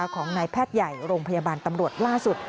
ของนายแพทย์ใหญ่โรงพยาบาลตำรวจล่าสุด